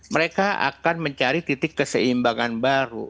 mereka akan mencari titik keseimbangan baru